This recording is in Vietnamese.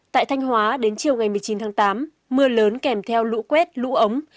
tại thanh hóa đến chiều ngày một mươi chín tháng tám mưa lớn kèm theo lũ quét lũ ống